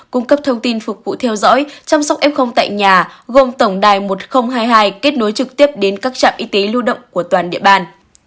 cung cấp thông tin phục vụ theo dõi chăm sóc f tại nhà gồm tổng đài một nghìn hai mươi hai kết nối trực tiếp đến các trạm y tế lưu động của toàn địa bàn